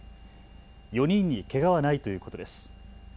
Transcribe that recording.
４人にけがはないということです。